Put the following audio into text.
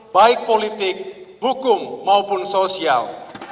baik politik hukum maupun sosial